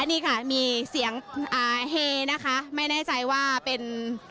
นี่ค่ะมีเสียงอ่าเฮนะคะไม่แน่ใจว่าเป็น